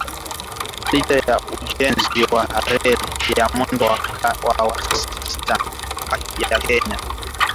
Licha ya ujenzi wa reli ya mwendo wa wastan ya Kenya